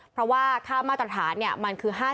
เพราะว่าค่ามาตรฐานมันคือ๕๐